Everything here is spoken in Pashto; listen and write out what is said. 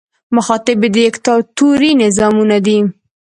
مخاطب یې دیکتاتوري نظامونه دي.